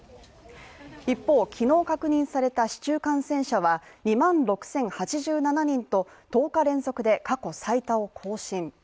一方、昨日確認された市中感染者は２万６０８７人と１０日連続で、過去最多を更新。